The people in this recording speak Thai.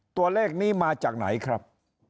ตัวเลขนี้มาจากไหนครับ